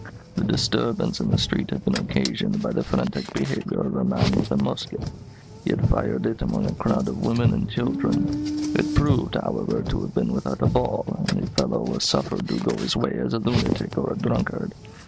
"The disturbance in the street had been occasioned by the frantic behaviour of a man with a musket. He had fired it among a crowd of women and children. It proved, however, to have been without a ball, and the fellow was suffered to go his way as a lunatic or a drunkard.